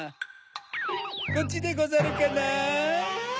こっちでござるかなぁ？